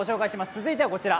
続いてはこちら。